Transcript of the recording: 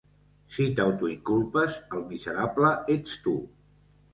Si t'autoinculpes el miserable ets tu.